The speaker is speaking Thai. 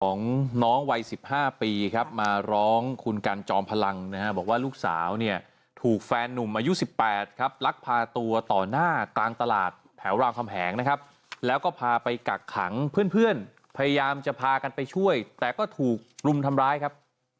ของน้องวัย๑๕ปีครับมาร้องคุณกันจอมพลังนะฮะบอกว่าลูกสาวเนี่ยถูกแฟนนุ่มอายุ๑๘ครับลักพาตัวต่อหน้ากลางตลาดแถวรามคำแหงนะครับแล้วก็พาไปกักขังเพื่อนเพื่อนพยายามจะพากันไปช่วยแต่ก็ถูกรุมทำร้ายครับ